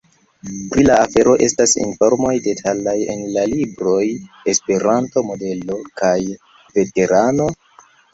Pri la afero estas informoj detalaj en la libroj ‘’Esperanto Modelo’’ kaj ‘’Veterano?’’.